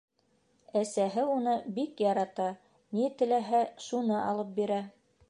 Әсәһе уны бик ярата, ни теләһә, шуны алып бирә.